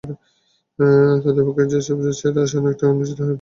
তাঁদের পক্ষে সেসব ছেড়ে আসা অনেকটাই অনিশ্চিত গন্তব্যে পাড়ি দেওয়ার মতো।